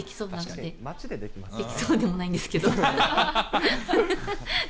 できそうでもないんですけど。